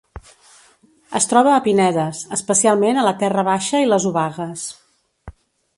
Es troba a pinedes, especialment a la terra baixa i les obagues.